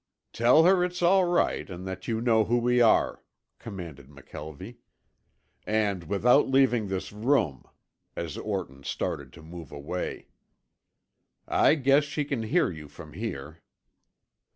"Tell her it's all right and that you know who we are," commanded McKelvie. "And without leaving this room," as Orton started to move away. "I guess she can hear you from here."